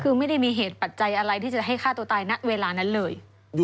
คือไม่ได้มีเหตุปัจจัยอะไรที่จะให้ฆ่าตัวตายณเวลานั้นเลย